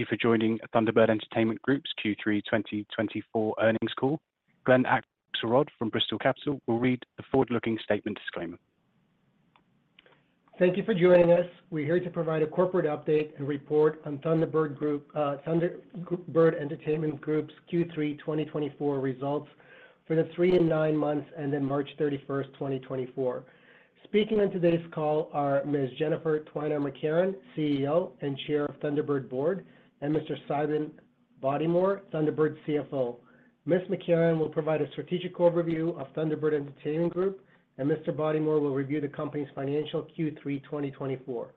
Thank you for joining Thunderbird Entertainment Group's Q3 2024 Earnings Call. Glen Akselrod from Bristol Capital will read the forward-looking statement disclaimer. Thank you for joining us. We're here to provide a corporate update and report on Thunderbird Entertainment Group's Q3 2024 results for the three and nine months ended March 31, 2024. Speaking on today's call are Ms. Jennifer Twiner McCarron, CEO and Chair of Thunderbird Board, and Mr. Simon Bodymore, Thunderbird's CFO. Ms. McCarron will provide a strategic overview of Thunderbird Entertainment Group, and Mr. Bodymore will review the company's financial Q3 2024.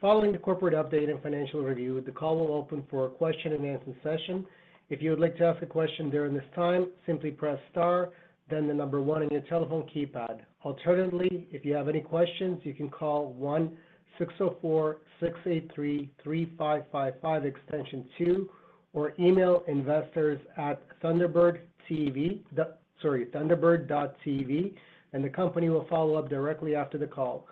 Following the corporate update and financial review, the call will open for a question-and-answer session. If you would like to ask a question during this time, simply press star, then the number one on your telephone keypad. Alternatively, if you have any questions, you can call 1-604-683-3555, extension two, or email investors at Thunderbird TV. Sorry, Thunderbird.tv, and the company will follow up directly after the call.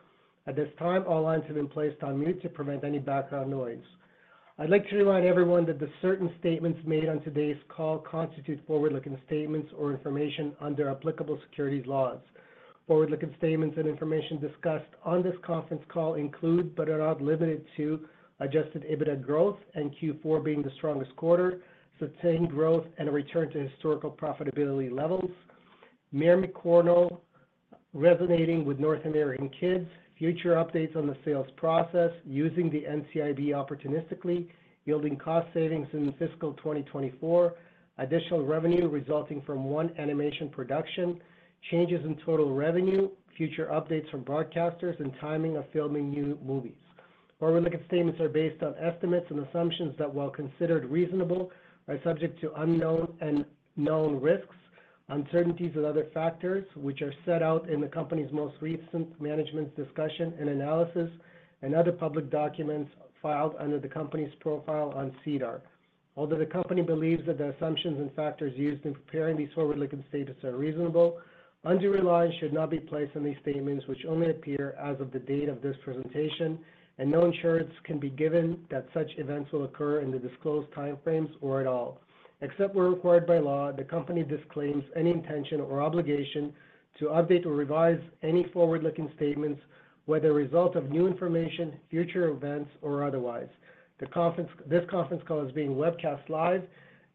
At this time, all lines have been placed on mute to prevent any background noise. I'd like to remind everyone that certain statements made on today's call constitute forward-looking statements or information under applicable securities laws. Forward-looking statements and information discussed on this conference call include, but are not limited to, Adjusted EBITDA growth and Q4 being the strongest quarter, sustained growth and a return to historical profitability levels, Mermicorno resonating with North American kids, future updates on the sales process, using the NCIB opportunistically, yielding cost savings in fiscal 2024, additional revenue resulting from one animation production, changes in total revenue, future updates from broadcasters, and timing of filming new movies. Forward-looking statements are based on estimates and assumptions that, while considered reasonable, are subject to unknown and known risks, uncertainties, and other factors, which are set out in the company's most recent management's discussion and analysis and other public documents filed under the company's profile on SEDAR. Although the company believes that the assumptions and factors used in preparing these forward-looking statements are reasonable, undue reliance should not be placed on these statements, which only appear as of the date of this presentation, and no assurance can be given that such events will occur in the disclosed time frames or at all. Except where required by law, the company disclaims any intention or obligation to update or revise any forward-looking statements, whether a result of new information, future events, or otherwise. This conference call is being webcast live,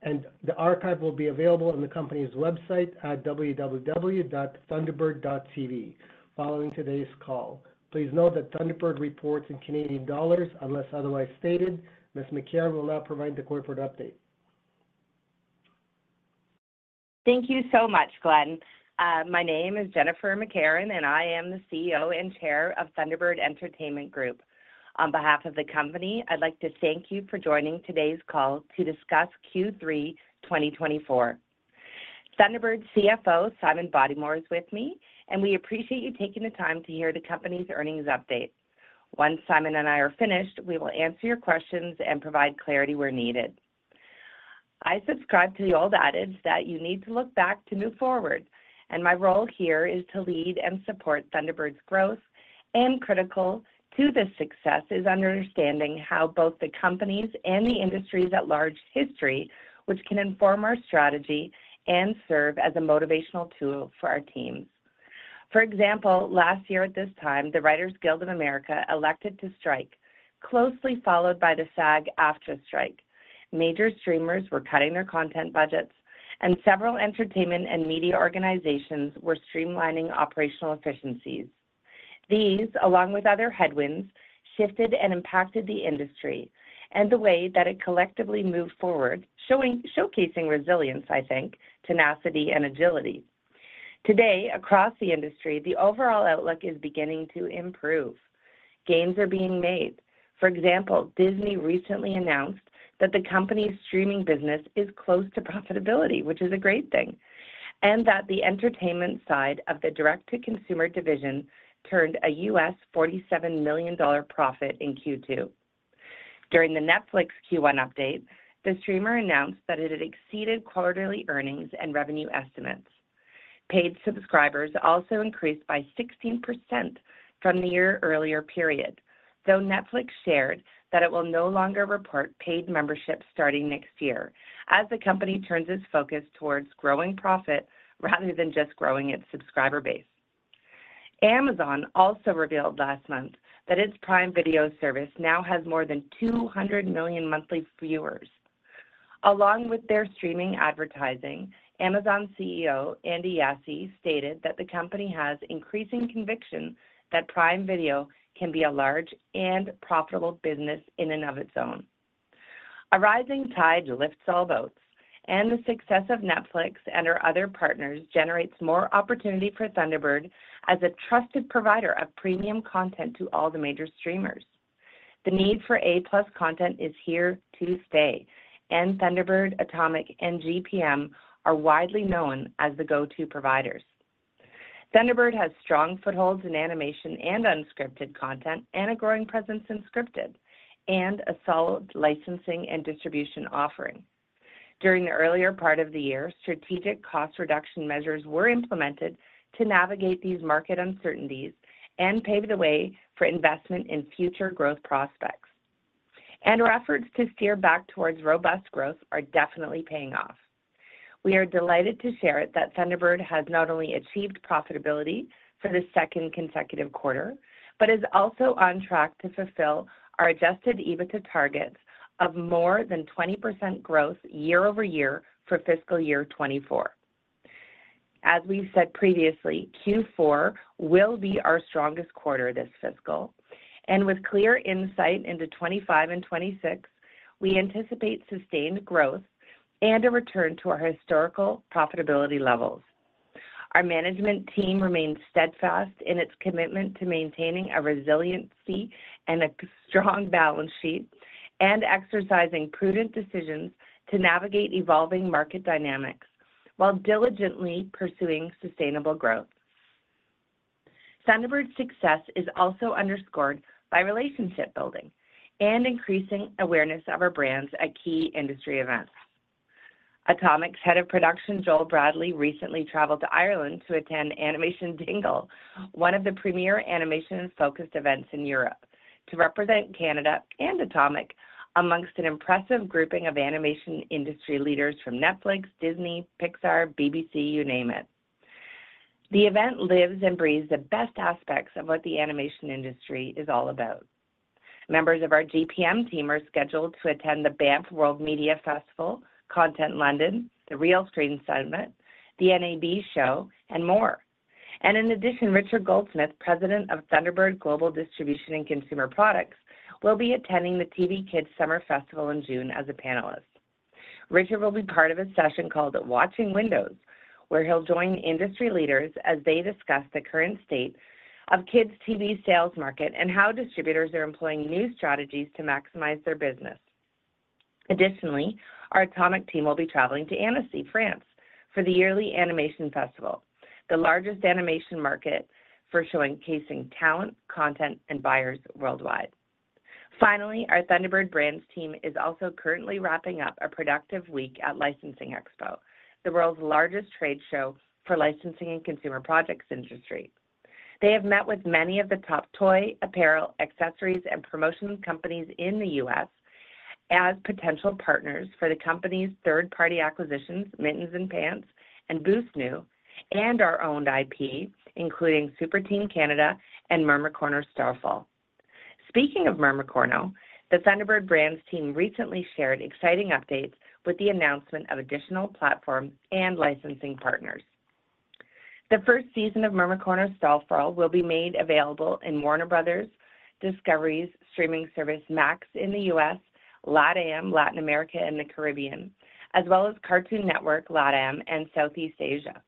and the archive will be available on the company's website at www.thunderbird.tv following today's call. Please note that Thunderbird reports in Canadian dollars, unless otherwise stated. Ms. McCarron will now provide the corporate update. Thank you so much, Glen. My name is Jennifer McCarron, and I am the CEO and Chair of Thunderbird Entertainment Group. On behalf of the company, I'd like to thank you for joining today's call to discuss Q3 2024. Thunderbird's CFO, Simon Bodymore, is with me, and we appreciate you taking the time to hear the company's earnings update. Once Simon and I are finished, we will answer your questions and provide clarity where needed. I subscribe to the old adage that you need to look back to move forward, and my role here is to lead and support Thunderbird's growth, and critical to this success is understanding how both the company's and the industry's at large history, which can inform our strategy and serve as a motivational tool for our teams. For example, last year at this time, the Writers Guild of America elected to strike, closely followed by the SAG-AFTRA strike. Major streamers were cutting their content budgets, and several entertainment and media organizations were streamlining operational efficiencies. These, along with other headwinds, shifted and impacted the industry and the way that it collectively moved forward, showcasing resilience, I think, tenacity, and agility. Today, across the industry, the overall outlook is beginning to improve. Gains are being made. For example, Disney recently announced that the company's streaming business is close to profitability, which is a great thing, and that the entertainment side of the direct-to-consumer division turned a $47 million profit in Q2. During the Netflix Q1 update, the streamer announced that it had exceeded quarterly earnings and revenue estimates. Paid subscribers also increased by 16% from the year-earlier period, though Netflix shared that it will no longer report paid memberships starting next year, as the company turns its focus towards growing profit rather than just growing its subscriber base. Amazon also revealed last month that its Prime Video service now has more than 200 million monthly viewers. Along with their streaming advertising, Amazon CEO Andy Jassy stated that the company has increasing conviction that Prime Video can be a large and profitable business in and of its own. A rising tide lifts all boats, and the success of Netflix and our other partners generates more opportunity for Thunderbird as a trusted provider of premium content to all the major streamers. The need for A-plus content is here to stay, and Thunderbird, Atomic, and GPM are widely known as the go-to providers. Thunderbird has strong footholds in animation and unscripted content, and a growing presence in scripted, and a solid licensing and distribution offering. During the earlier part of the year, strategic cost reduction measures were implemented to navigate these market uncertainties and pave the way for investment in future growth prospects. Our efforts to steer back towards robust growth are definitely paying off. We are delighted to share it that Thunderbird has not only achieved profitability for the second consecutive quarter, but is also on track to fulfill our Adjusted EBITDA target of more than 20% growth year-over-year for fiscal year 2024. As we've said previously, Q4 will be our strongest quarter this fiscal, and with clear insight into 2025 and 2026, we anticipate sustained growth and a return to our historical profitability levels. Our management team remains steadfast in its commitment to maintaining a resiliency and a strong balance sheet, and exercising prudent decisions to navigate evolving market dynamics while diligently pursuing sustainable growth. Thunderbird's success is also underscored by relationship building and increasing awareness of our brands at key industry events. Atomic's Head of Production, Joel Bradley, recently traveled to Ireland to attend Animation Dingle, one of the premier animation-focused events in Europe, to represent Canada and Atomic amongst an impressive grouping of animation industry leaders from Netflix, Disney, Pixar, BBC, you name it. The event lives and breathes the best aspects of what the animation industry is all about. Members of our GPM team are scheduled to attend the Banff World Media Festival, Content London, the Realscreen Summit, the NAB Show, and more. In addition, Richard Goldsmith, President of Thunderbird Global Distribution and Consumer Products, will be attending the TV Kids Summer Festival in June as a panelist. Richard will be part of a session called Watching Windows, where he'll join industry leaders as they discuss the current state of kids' TV sales market and how distributors are employing new strategies to maximize their business. Additionally, our Atomic team will be traveling to Annecy, France, for the yearly Animation Festival, the largest animation market for showcasing talent, content, and buyers worldwide. Finally, our Thunderbird Brands team is also currently wrapping up a productive week at Licensing Expo, the world's largest trade show for licensing and consumer products industry. They have met with many of the top toy, apparel, accessories, and promotions companies in the U.S. as potential partners for the company's third-party acquisitions, Mittens & Pants, and BooSnoo!, and our owned IP, including Super Team Canada and Mermicorno: Starfall. Speaking of Mermicorno, the Thunderbird Brands team recently shared exciting updates with the announcement of additional platforms and licensing partners. The first season of Mermicorno: Starfall will be made available in Warner Bros. Discovery's streaming service, Max, in the U.S., LATAM, Latin America, and the Caribbean, as well as Cartoon Network, LATAM, and Southeast Asia.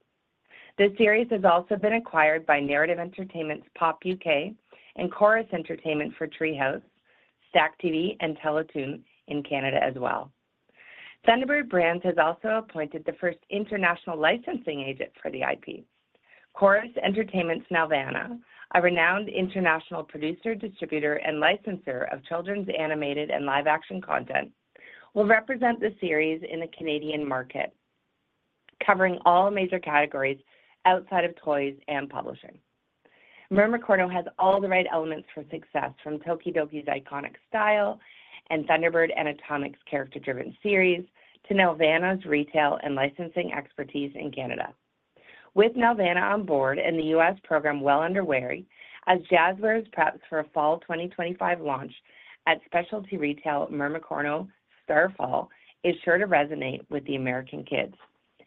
The series has also been acquired by Narrative Entertainment's POP UK and Corus Entertainment for Treehouse, STACKTV, and Teletoon in Canada as well. Thunderbird Brands has also appointed the first international licensing agent for the IP. Corus Entertainment's Nelvana, a renowned international producer, distributor, and licensor of children's animated and live-action content, will represent the series in the Canadian market, covering all major categories outside of toys and publishing. Mermicorno has all the right elements for success, from Tokidoki's iconic style and Thunderbird and Atomics character-driven series to Nelvana's retail and licensing expertise in Canada. With Nelvana on board and the U.S. program well underway, as Jazwares preps for a fall 2025 launch at specialty retail, Mermicorno: Starfall is sure to resonate with the American kids.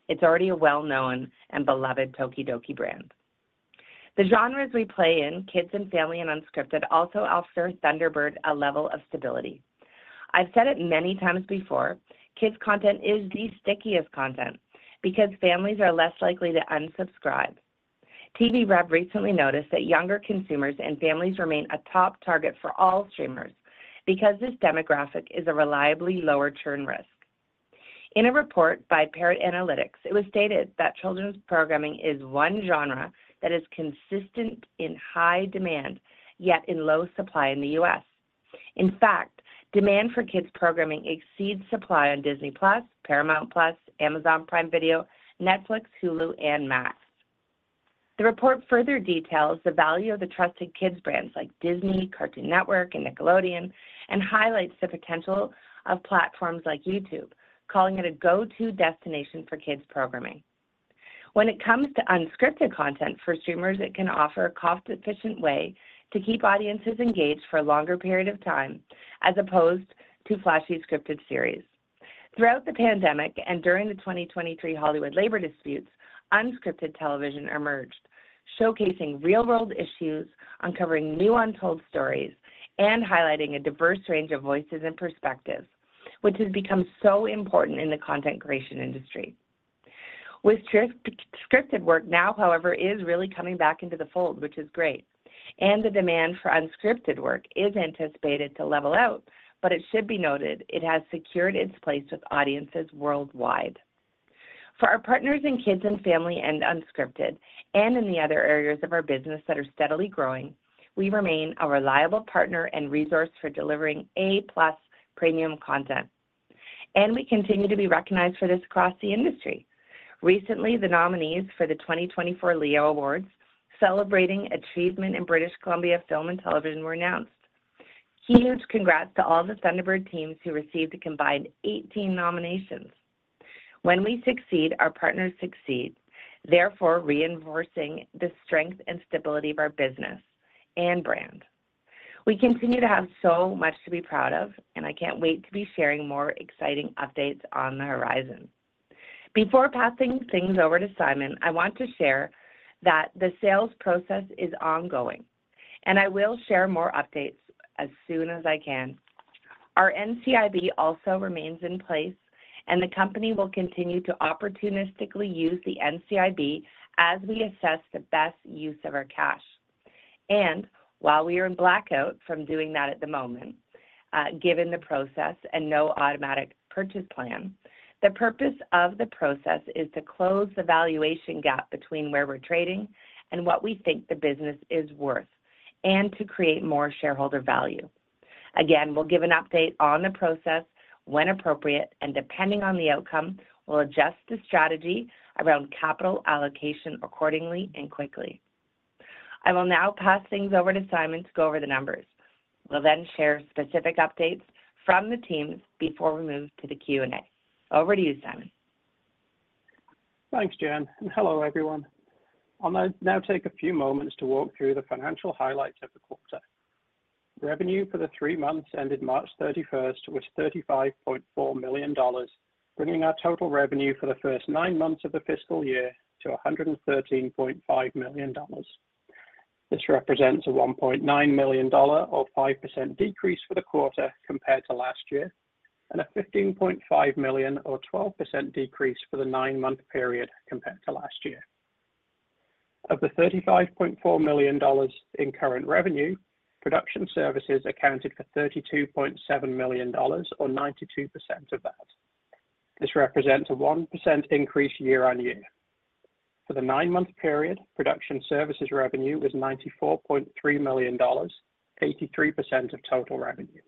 It's already a well-known and beloved Tokidoki brand. The genres we play in, kids and family and unscripted, also offer Thunderbird a level of stability. I've said it many times before, kids content is the stickiest content because families are less likely to unsubscribe. TVRev recently noticed that younger consumers and families remain a top target for all streamers because this demographic is a reliably lower churn risk. In a report by Parrot Analytics, it was stated that children's programming is one genre that is consistent in high demand, yet in low supply in the U.S. In fact, demand for kids' programming exceeds supply on Disney+, Paramount+, Amazon Prime Video, Netflix, Hulu, and Max. The report further details the value of the trusted kids brands like Disney, Cartoon Network, and Nickelodeon, and highlights the potential of platforms like YouTube, calling it a go-to destination for kids' programming. When it comes to unscripted content for streamers, it can offer a cost-efficient way to keep audiences engaged for a longer period of time, as opposed to flashy scripted series. Throughout the pandemic and during the 2023 Hollywood labor disputes, unscripted television emerged, showcasing real-world issues, uncovering new untold stories, and highlighting a diverse range of voices and perspectives, which has become so important in the content creation industry. With scripted work now, however, is really coming back into the fold, which is great, and the demand for unscripted work is anticipated to level out, but it should be noted it has secured its place with audiences worldwide. For our partners in Kids and Family and Unscripted, and in the other areas of our business that are steadily growing, we remain a reliable partner and resource for delivering A-plus premium content, and we continue to be recognized for this across the industry. Recently, the nominees for the 2024 Leo Awards, celebrating achievement in British Columbia film and television, were announced. Huge congrats to all the Thunderbird teams who received a combined 18 nominations. When we succeed, our partners succeed, therefore reinforcing the strength and stability of our business and brand. We continue to have so much to be proud of, and I can't wait to be sharing more exciting updates on the horizon. Before passing things over to Simon, I want to share that the sales process is ongoing, and I will share more updates as soon as I can. Our NCIB also remains in place, and the company will continue to opportunistically use the NCIB as we assess the best use of our cash. And while we are in blackout from doing that at the moment, given the process and no automatic purchase plan, the purpose of the process is to close the valuation gap between where we're trading and what we think the business is worth, and to create more shareholder value. Again, we'll give an update on the process when appropriate, and depending on the outcome, we'll adjust the strategy around capital allocation accordingly and quickly. I will now pass things over to Simon to go over the numbers. We'll then share specific updates from the teams before we move to the Q&A. Over to you, Simon. Thanks, Jen, and hello, everyone. I'll now take a few moments to walk through the financial highlights of the quarter. Revenue for the three months ended March 31 was 35.4 million dollars, bringing our total revenue for the first nine months of the fiscal year to 113.5 million dollars. This represents a 1.9 million-dollar, or 5% decrease for the quarter compared to last year, and a 15.5 million, or 12% decrease for the nine-month period compared to last year. Of the 35.4 million dollars in current revenue, production services accounted for 32.7 million dollars, or 92% of that. This represents a 1% increase year-over-year. For the nine-month period, production services revenue was 94.3 million dollars, 83% of total revenue.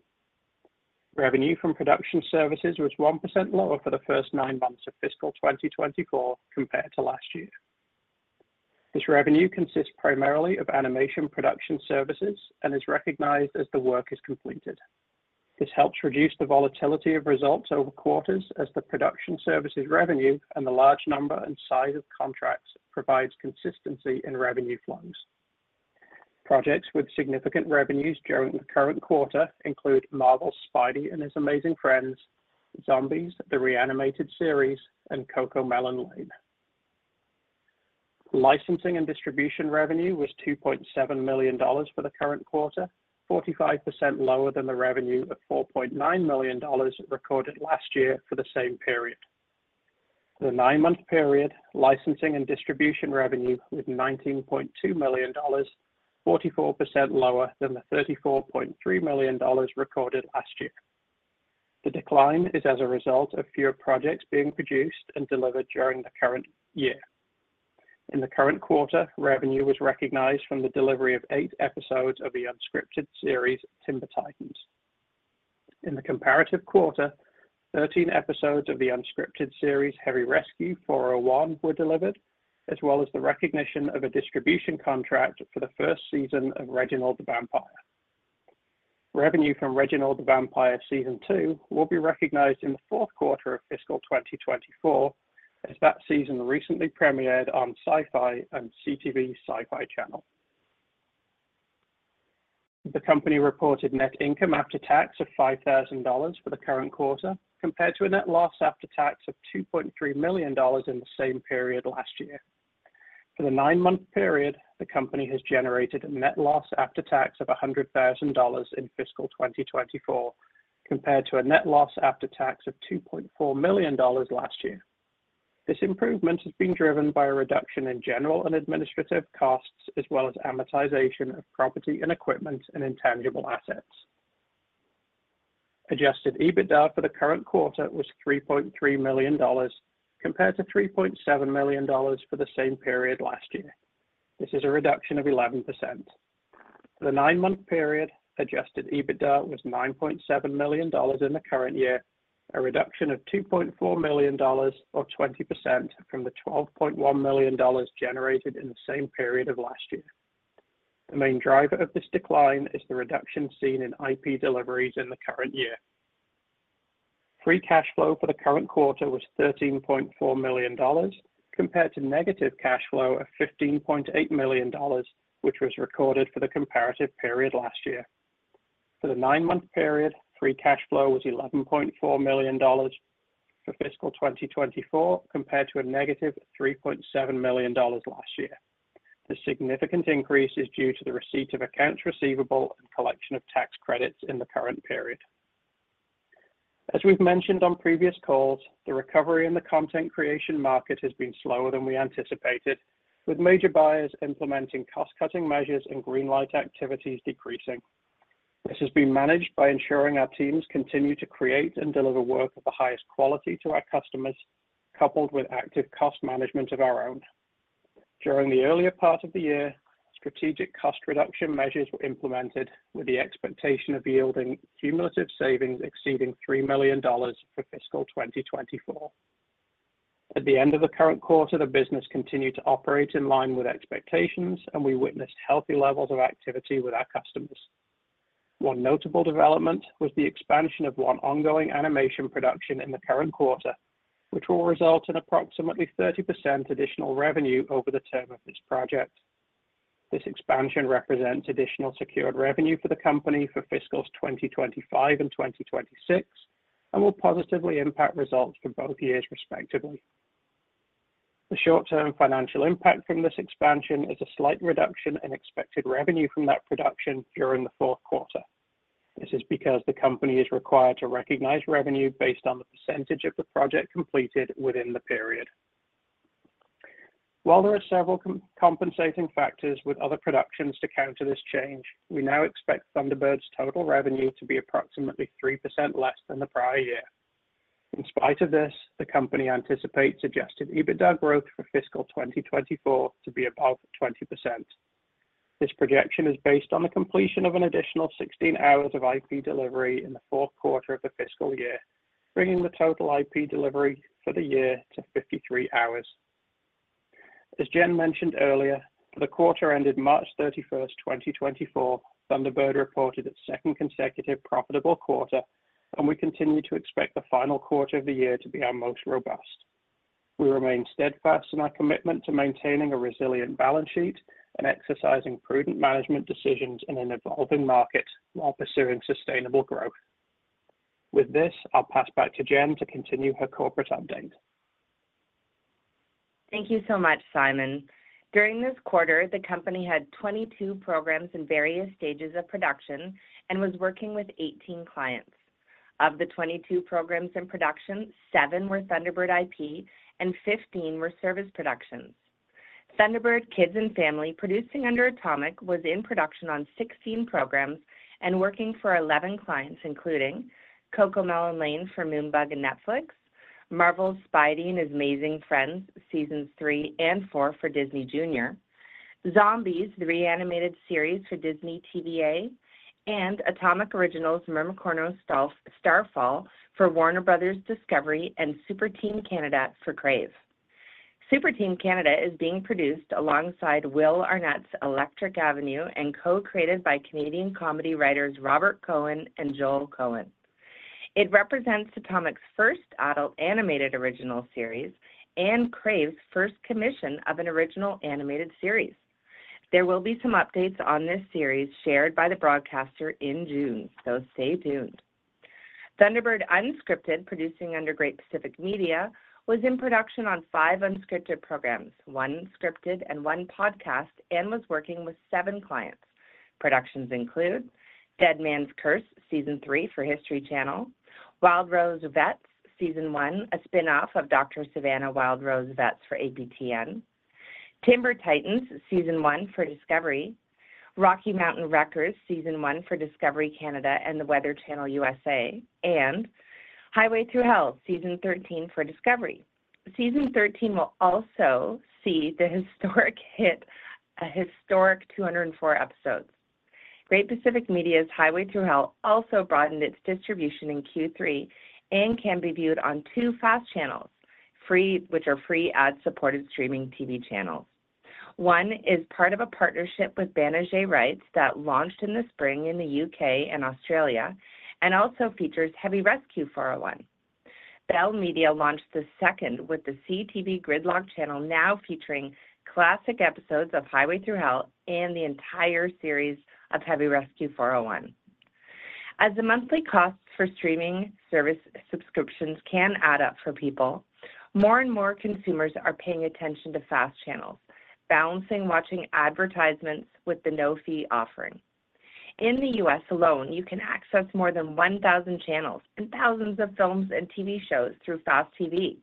Revenue from production services was 1% lower for the first nine months of fiscal 2024 compared to last year. This revenue consists primarily of animation production services and is recognized as the work is completed. This helps reduce the volatility of results over quarters as the production services revenue and the large number and size of contracts provides consistency in revenue flows. Projects with significant revenues during the current quarter include Marvel's Spidey and His Amazing Friends, ZOMBIES: The Re-Animated Series, and CoComelon Lane. Licensing and distribution revenue was 2.7 million dollars for the current quarter, 45% lower than the revenue of 4.9 million dollars recorded last year for the same period. For the nine-month period, licensing and distribution revenue was 19.2 million dollars, 44% lower than the 34.3 million dollars recorded last year. The decline is as a result of fewer projects being produced and delivered during the current year. In the current quarter, revenue was recognized from the delivery of 8 episodes of the unscripted series, Timber Titans. In the comparative quarter, 13 episodes of the unscripted series, Heavy Rescue: 401, were delivered, as well as the recognition of a distribution contract for the first season of Reginald the Vampire. Revenue from Reginald the Vampire Season 2 will be recognized in the fourth quarter of fiscal 2024, as that season recently premiered on Syfy and CTV Sci-Fi Channel. The company reported net income after tax of 5,000 dollars for the current quarter, compared to a net loss after tax of 2.3 million dollars in the same period last year. For the nine-month period, the company has generated a net loss after tax of 100,000 dollars in fiscal 2024, compared to a net loss after tax of 2.4 million dollars last year. This improvement has been driven by a reduction in general and administrative costs, as well as amortization of property and equipment and intangible assets. Adjusted EBITDA for the current quarter was 3.3 million dollars, compared to 3.7 million dollars for the same period last year. This is a reduction of 11%. For the nine-month period, adjusted EBITDA was 9.7 million dollars in the current year, a reduction of 2.4 million dollars or 20% from the 12.1 million dollars generated in the same period of last year. The main driver of this decline is the reduction seen in IP deliveries in the current year. Free cash flow for the current quarter was 13.4 million dollars, compared to negative cash flow of 15.8 million dollars, which was recorded for the comparative period last year. For the nine-month period, free cash flow was 11.4 million dollars for fiscal 2024, compared to a negative 3.7 million dollars last year. The significant increase is due to the receipt of accounts receivable and collection of tax credits in the current period. As we've mentioned on previous calls, the recovery in the content creation market has been slower than we anticipated, with major buyers implementing cost-cutting measures and greenlight activities decreasing. This has been managed by ensuring our teams continue to create and deliver work of the highest quality to our customers, coupled with active cost management of our own. During the earlier part of the year, strategic cost reduction measures were implemented with the expectation of yielding cumulative savings exceeding 3 million dollars for fiscal 2024. At the end of the current quarter, the business continued to operate in line with expectations, and we witnessed healthy levels of activity with our customers. One notable development was the expansion of one ongoing animation production in the current quarter, which will result in approximately 30% additional revenue over the term of this project. This expansion represents additional secured revenue for the company for fiscal 2025 and 2026 and will positively impact results for both years, respectively. The short-term financial impact from this expansion is a slight reduction in expected revenue from that production during the fourth quarter. This is because the company is required to recognize revenue based on the percentage of the project completed within the period. While there are several compensating factors with other productions to counter this change, we now expect Thunderbird's total revenue to be approximately 3% less than the prior year. In spite of this, the company anticipates adjusted EBITDA growth for fiscal 2024 to be above 20%. This projection is based on the completion of an additional 16 hours of IP delivery in the fourth quarter of the fiscal year, bringing the total IP delivery for the year to 53 hours. As Jen mentioned earlier, for the quarter ended March 31, 2024, Thunderbird reported its second consecutive profitable quarter, and we continue to expect the final quarter of the year to be our most robust. We remain steadfast in our commitment to maintaining a resilient balance sheet and exercising prudent management decisions in an evolving market while pursuing sustainable growth. With this, I'll pass back to Jen to continue her corporate update. Thank you so much, Simon. During this quarter, the company had 22 programs in various stages of production and was working with 18 clients. Of the 22 programs in production, seven were Thunderbird IP and 15 were service productions. Thunderbird Kids and Family, producing under Atomic, was in production on 16 programs and working for 11 clients, including CoComelon Lane for Moonbug and Netflix, Marvel's Spidey and His Amazing Friends, Seasons 3 and 4 for Disney Junior, ZOMBIES: The Re-Animated Series for Disney TVA, and Atomic Originals' Mermicorno: Starfall for Warner Bros. Discovery, and Super Team Canada for Crave. Super Team Canada is being produced alongside Will Arnett's Electric Avenue and co-created by Canadian comedy writers Robert Cohen and Joel Cohen. It represents Atomic's first adult animated original series and Crave's first commission of an original animated series. There will be some updates on this series shared by the broadcaster in June, so stay tuned. Thunderbird Unscripted, producing under Great Pacific Media, was in production on five unscripted programs, one scripted and one podcast, and was working with seven clients. Productions include Deadman's Curse, Season 3 for History Channel. Wild Rose Vets, Season 1, a spinoff of Dr. Savannah: Wild Rose Vets for APTN. Timber Titans, Season 1 for Discovery. Rocky Mountain Wreckers, Season 1 for Discovery Canada and The Weather Channel, USA. And Highway Thru Hell, Season 13 for Discovery. Season 13 will also see the historic hit a historic 204 episodes. Great Pacific Media's Highway Thru Hell also broadened its distribution in Q3 and can be viewed on two FAST channels, free, which are free ad-supported streaming TV channels. One is part of a partnership with Banijay Rights that launched in the spring in the U.K. and Australia and also features Heavy Rescue: 401. Bell Media launched the second, with the CTV Gridlock channel now featuring classic episodes of Highway Thru Hell and the entire series of Heavy Rescue: 401. As the monthly costs for streaming service subscriptions can add up for people, more and more consumers are paying attention to FAST channels, balancing watching advertisements with the no-fee offering. In the U.S. alone, you can access more than 1,000 channels and thousands of films and TV shows through FAST TV.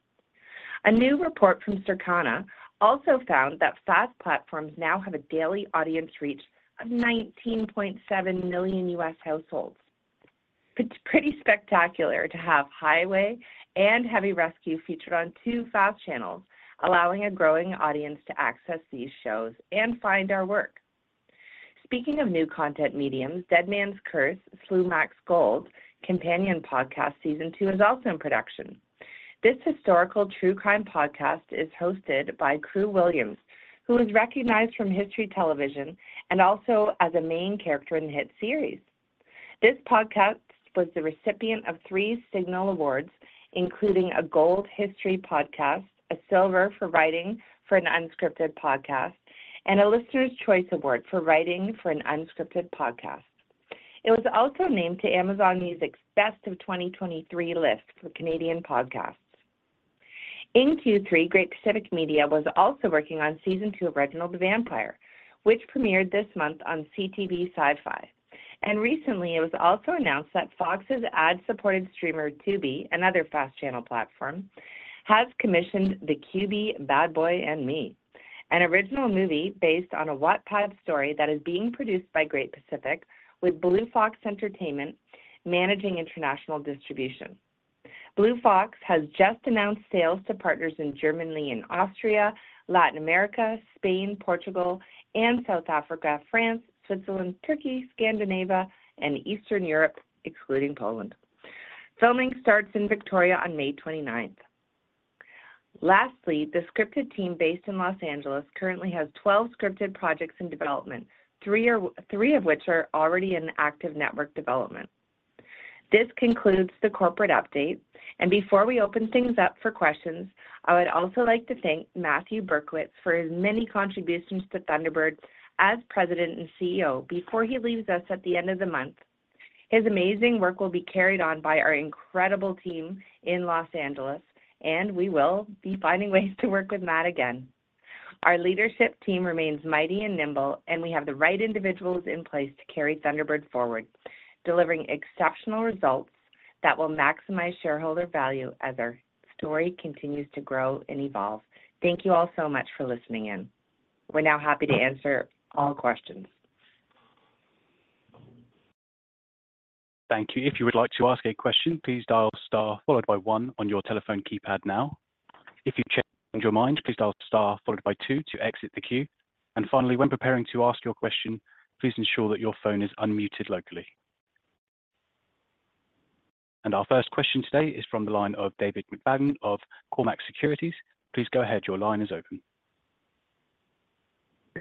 A new report from Circana also found that FAST platforms now have a daily audience reach of 19.7 million U.S. households. It's pretty spectacular to have Highway and Heavy Rescue featured on two FAST channels, allowing a growing audience to access these shows and find our work. Speaking of new content mediums, Deadman's Curse: Slumach's Gold, companion podcast season two is also in production. This historical true crime podcast is hosted by Kru Williams, who is recognized from History Channel and also as a main character in the hit series. This podcast was the recipient of three Signal Awards, including a Gold History Podcast, a Silver for Writing for an Unscripted Podcast, and a Listener's Choice Award for Writing for an Unscripted Podcast. It was also named to Amazon Music's Best of 2023 list for Canadian podcasts. In Q3, Great Pacific Media was also working on season two of Reginald the Vampire, which premiered this month on CTV Sci-Fi. Recently, it was also announced that Fox's ad-supported streamer, Tubi, another FAST channel platform, has commissioned The QB Bad Boy and Me, an original movie based on a Wattpad story that is being produced by Great Pacific, with Blue Fox Entertainment managing international distribution. Blue Fox has just announced sales to partners in Germany and Austria, Latin America, Spain, Portugal, and South Africa, France, Switzerland, Turkey, Scandinavia, and Eastern Europe, excluding Poland. Filming starts in Victoria on May 29th. Lastly, the scripted team based in Los Angeles currently has 12 scripted projects in development, three of which are already in active network development. This concludes the corporate update, and before we open things up for questions, I would also like to thank Matthew Berkowitz for his many contributions to Thunderbird as President and CEO before he leaves us at the end of the month. His amazing work will be carried on by our incredible team in Los Angeles, and we will be finding ways to work with Matt again. Our leadership team remains mighty and nimble, and we have the right individuals in place to carry Thunderbird forward, delivering exceptional results that will maximize shareholder value as our story continues to grow and evolve. Thank you all so much for listening in. We're now happy to answer all questions. Thank you. If you would like to ask a question, please dial star followed by one on your telephone keypad now. If you've changed your mind, please dial star followed by two to exit the queue. Finally, when preparing to ask your question, please ensure that your phone is unmuted locally. Our first question today is from the line of David McFadgen of Cormark Securities. Please go ahead. Your line is open.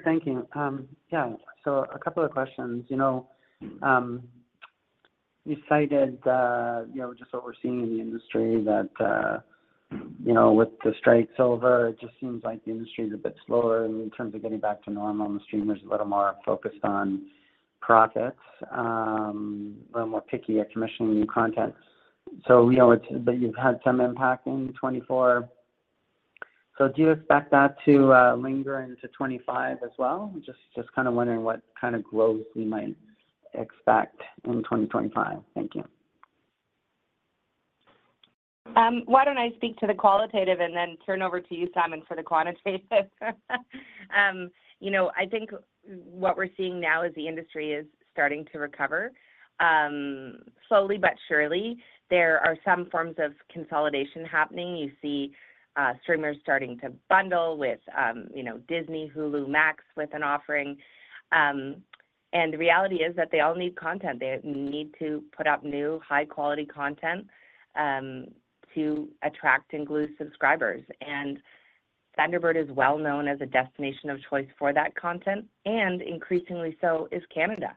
Thank you. Yeah, so a couple of questions. You know, you cited, you know, just what we're seeing in the industry, that, you know, with the strikes over, it just seems like the industry is a bit slower in terms of getting back to normal, and the streamers are a little more focused on profits, a little more picky at commissioning new content. So we know that you've had some impact in 2024. So do you expect that to linger into 2025 as well? Just kind of wondering what kind of growth we might expect in 2025. Thank you. Why don't I speak to the qualitative and then turn over to you, Simon, for the quantitative? You know, I think what we're seeing now is the industry is starting to recover, slowly but surely. There are some forms of consolidation happening. You see, streamers starting to bundle with, you know, Disney, Hulu, Max, with an offering. And the reality is that they all need content. They need to put out new, high-quality content, to attract and glue subscribers. And Thunderbird is well known as a destination of choice for that content, and increasingly so is Canada.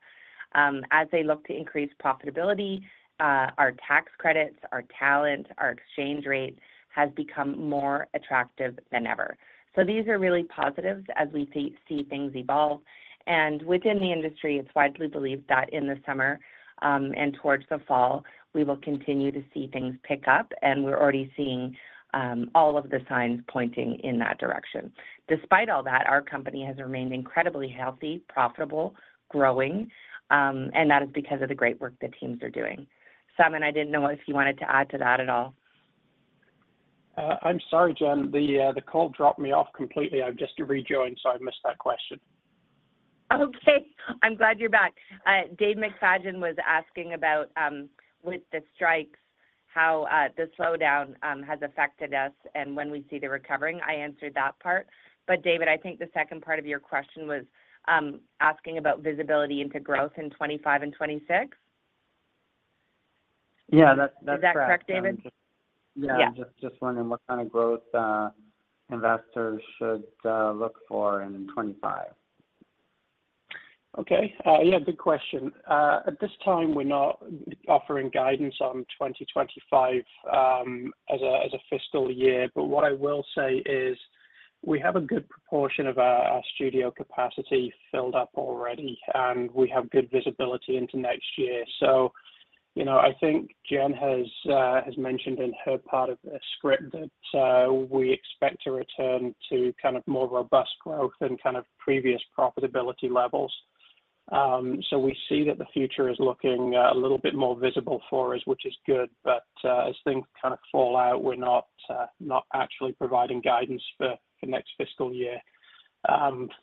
As they look to increase profitability, our tax credits, our talent, our exchange rate has become more attractive than ever. So these are really positives as we see things evolve. Within the industry, it's widely believed that in the summer, and towards the fall, we will continue to see things pick up, and we're already seeing all of the signs pointing in that direction. Despite all that, our company has remained incredibly healthy, profitable, growing, and that is because of the great work the teams are doing. Simon, I didn't know if you wanted to add to that at all. I'm sorry, Jen, the call dropped me off completely. I've just rejoined, so I missed that question. Okay. I'm glad you're back. Dave McFadgen was asking about, with the strikes, how the slowdown has affected us and when we'd see the recovering. I answered that part, but David, I think the second part of your question was asking about visibility into growth in 2025 and 2026. Yeah, that's, that's correct. Is that correct, David? Yeah. Yeah. Just, just wondering what kind of growth investors should look for in 2025. Okay. Yeah, good question. At this time, we're not offering guidance on 2025, as a fiscal year. But what I will say is we have a good proportion of our studio capacity filled up already, and we have good visibility into next year. So, you know, I think Jen has mentioned in her part of the script that we expect to return to kind of more robust growth and kind of previous profitability levels. So we see that the future is looking a little bit more visible for us, which is good, but as things kind of fall out, we're not actually providing guidance for the next fiscal year,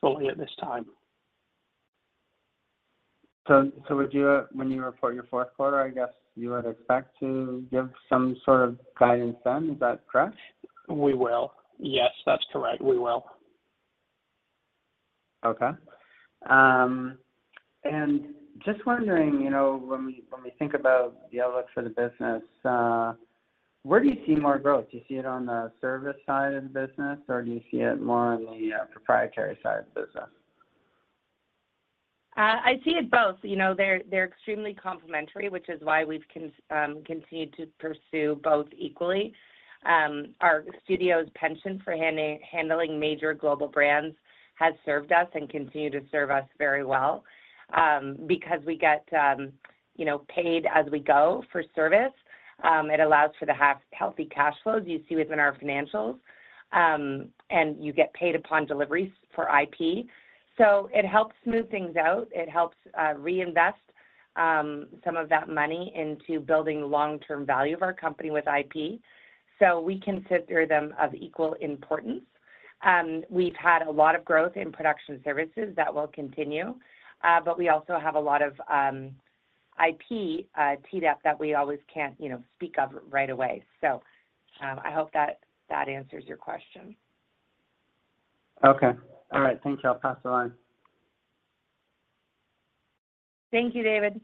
fully at this time. So would you, when you report your fourth quarter, I guess you would expect to give some sort of guidance then? Is that correct? We will. Yes, that's correct. We will. Okay. And just wondering, you know, when we think about the outlook for the business, where do you see more growth? Do you see it on the service side of the business, or do you see it more on the proprietary side of the business? I see it both. You know, they're extremely complementary, which is why we've continued to pursue both equally. Our studio's penchant for handling major global brands has served us and continue to serve us very well. Because we get, you know, paid as we go for service, it allows for the healthy cash flows you see within our financials, and you get paid upon deliveries for IP. So it helps smooth things out. It helps reinvest some of that money into building long-term value of our company with IP, so we consider them of equal importance. We've had a lot of growth in production services that will continue, but we also have a lot of IP teed up that we always can't, you know, speak of right away. So, I hope that that answers your question. Okay. All right. Thank you. I'll pass the line. Thank you, David.